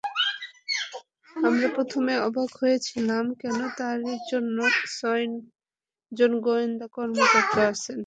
আমরা প্রথমে অবাক হয়েছিলাম কেন তার জন্য ছয়জন গোয়েন্দা কর্মকর্তা আছেন।